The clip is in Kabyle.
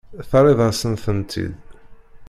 Terriḍ-asen-tent-id.